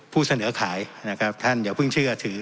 ผู้เสนอขายนะครับท่านอย่าเพิ่งเชื่อถือ